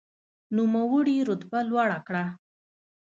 نوموړي رتبه لوړه کړه.